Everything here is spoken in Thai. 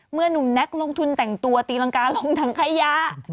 หนุ่มแน็กลงทุนแต่งตัวตีรังกาลงถังขยะ